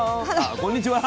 こんにちは。